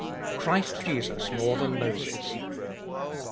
Christ Jesus more than Moses.